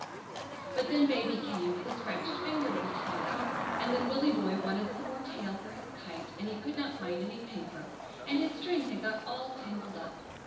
But then baby came, with a scratched finger to be tied up, and then Willy boy wanted some more tail for his kite, and he could not find any paper, and his string had got all tangled up.